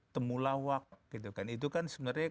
temulawak gitu kan itu kan sebenarnya